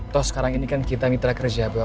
tau sekarang ini kan kita mitra kerja ibu yasa